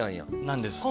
なんです